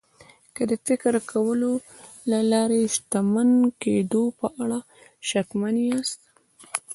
که د فکر کولو له لارې د شتمن کېدو په اړه شکمن ياست.